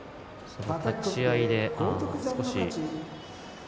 立ち合いで少し。